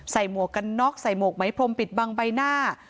หมวกกันน็อกใส่หมวกไหมพรมปิดบังใบหน้า